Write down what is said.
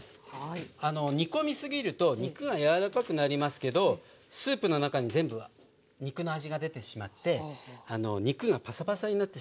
煮込み過ぎると肉が柔らかくなりますけどスープの中に全部肉の味が出てしまって肉がパサパサになってしまいます。